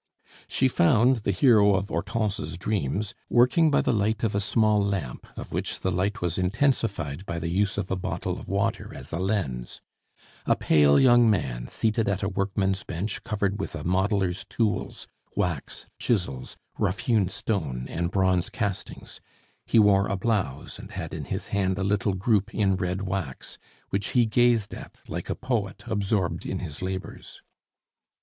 She found the hero of Hortense's dreams working by the light of a small lamp, of which the light was intensified by the use of a bottle of water as a lens a pale young man, seated at a workman's bench covered with a modeler's tools, wax, chisels, rough hewn stone, and bronze castings; he wore a blouse, and had in his hand a little group in red wax, which he gazed at like a poet absorbed in his labors.